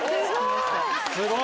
すごい！